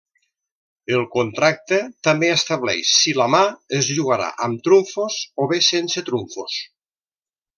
El contracte també estableix si la mà es jugarà amb trumfos o bé sense trumfos.